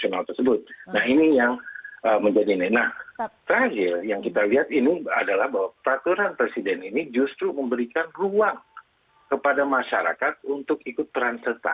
nah ini yang menjadi yang kita lihat ini adalah bahwa peraturan presiden ini justru memberikan ruang kepada masyarakat untuk ikut peran serta